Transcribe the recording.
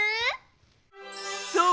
そう！